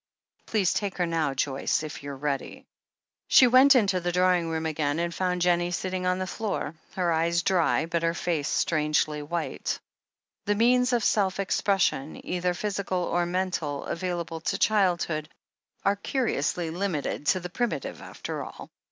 "Please take her now, Joyce — if you're ready." THE HEEL OF ACHILLES 34i She went into the drawing room again, and found Jennie sitting on the floor, her eyes dry, but her face strangely white. The means of self expression, either physical or mental, available to childhood, are curiously limited to the primitive after all.